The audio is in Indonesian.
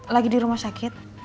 lagi dirumah sakit